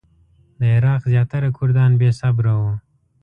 د عراق زیاتره کردان بې صبره وو.